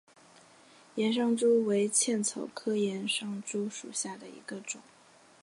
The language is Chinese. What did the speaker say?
岩上珠为茜草科岩上珠属下的一个种。